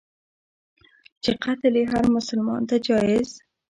چي قتل یې هرمسلمان ته جایز.